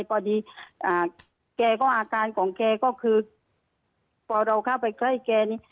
พอดีแกก็อาการของแกก็คือพอเราเข้าไปใกล้แกนี่